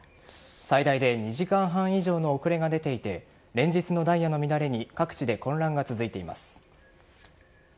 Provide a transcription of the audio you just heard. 最大で２時間半以上の遅れが出ていて連日のダイヤの乱れに各地で混乱が続いています。